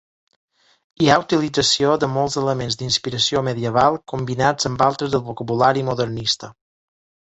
Hi ha utilització de molts elements d'inspiració medieval combinats amb altres del vocabulari modernista.